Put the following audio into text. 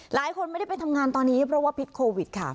หลายคนไม่ได้ไปทำงานตอนนี้เพราะว่าพิษโควิดค่ะ